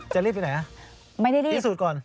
จะรีบอย่างไหน